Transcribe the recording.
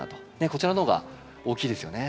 こちらの方が大きいですよね